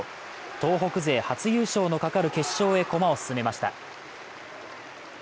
東北勢初優勝のかかる決勝へ駒を進めました。